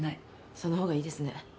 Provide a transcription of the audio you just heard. そのほうがいいですね。